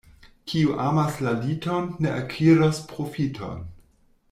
Kiu amas la liton, ne akiros profiton.